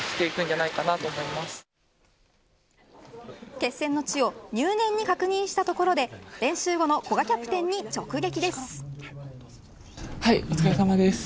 決戦の地を入念に確認したところで練習後の古賀キャプテンに直撃でお疲れさまです。